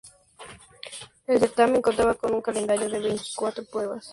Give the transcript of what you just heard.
El certamen contaba con un calendario de veinticuatro pruebas.